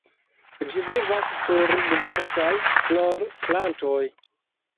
Ĝi vivas sur diversaj florplantoj.